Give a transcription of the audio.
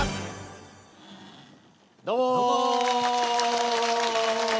どうも。